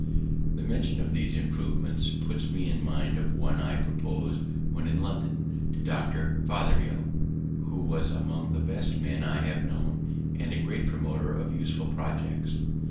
The mention of these improvements puts me in mind of one I propos'd, when in London, to Dr. Fothergill, who was among the best men I have known, and a great promoter of useful projects.